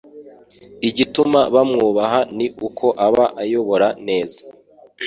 Igituma bamwubaha Ni uko aba ayobora neza.